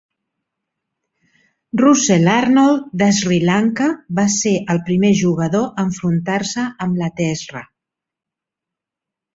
Russel Arnold de Sri Lanka va ser el primer jugador a enfrontar-se amb la teesra.